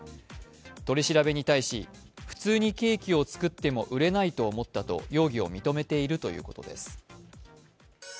取り調べに対し普通にケーキを作っても売れないと思ったと容疑を認めているということです。